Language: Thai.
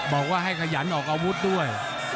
บอกว่าให้ขยันออกอาวุธด้วย